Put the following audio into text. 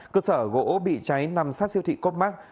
cơ sở gỗ bị cháy nằm sát siêu thị cốc mắc